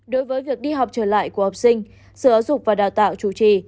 đối với việc đi học trở lại của học sinh sự ảo dục và đào tạo chủ trì